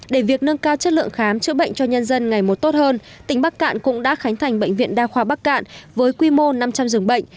để việc nâng cao chất lượng khám chữa bệnh cho nhân dân ngày một tốt hơn tỉnh bắc cạn cũng đã khánh thành bệnh viện đa khoa bắc cạn với quy mô năm trăm linh dường bệnh